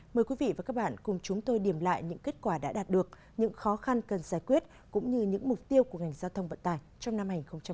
mời quý vị và các bạn cùng chúng tôi điểm lại những kết quả đã đạt được những khó khăn cần giải quyết cũng như những mục tiêu của ngành giao thông vận tải trong năm hai nghìn hai mươi